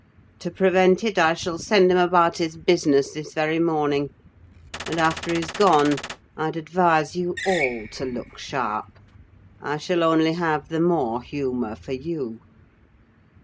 To prevent it, I shall send him about his business this very morning; and after he's gone, I'd advise you all to look sharp: I shall only have the more humour for you."